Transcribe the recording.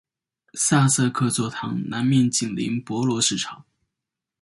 萨瑟克座堂南面紧邻博罗市场。